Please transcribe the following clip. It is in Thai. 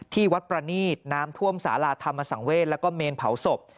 ที่วัดประนีตน้ำท่วมสาราธรรมสังเวศแล้วก็เมนเผาศพ